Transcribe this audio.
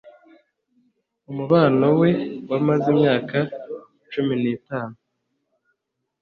Umubano we wamaze imyaka cumi n'itanu